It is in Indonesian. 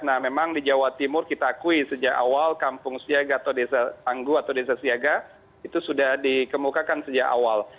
nah memang di jawa timur kita akui sejak awal kampung siaga atau desa tangguh atau desa siaga itu sudah dikemukakan sejak awal